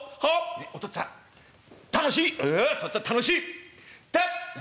「ああお父っつぁん楽しい！たっ！」。